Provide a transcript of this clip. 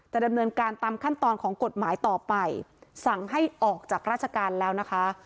ดำเนินการตามขั้นตอนของกฎหมายต่อไปสั่งให้ออกจากราชการแล้วนะคะ